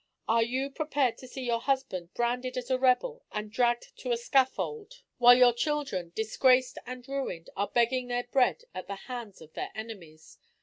Are you prepared to see your husband branded as a rebel and dragged to a scaffold; while your children, disgraced and ruined, are begging their bread at the hands of their enemies?